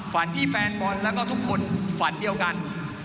ฝันที่แฟนบอลและทุกคนฝันเดียวกัน